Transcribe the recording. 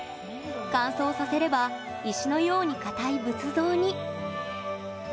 乾燥させれば石のように硬い仏像に。